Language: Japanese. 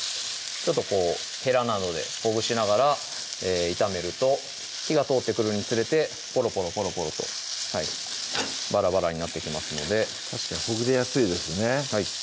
ちょっとこうへらなどでほぐしながら炒めると火が通ってくるにつれてポロポロポロポロとバラバラになっていきますので確かにほぐれやすいですね